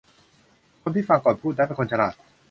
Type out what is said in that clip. คนที่ฟังก่อนพูดนั้นเป็นคนฉลาด